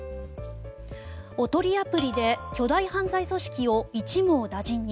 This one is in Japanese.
おとりアプリで巨大犯罪組織を一網打尽に。